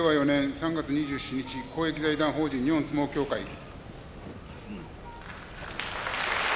４年３月２７日公益財団法人日本相撲協会